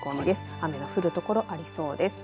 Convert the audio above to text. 雨が降る所、ありそうです。